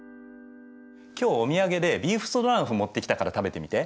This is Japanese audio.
今日お土産でビーフストロガノフ持ってきたから食べてみて。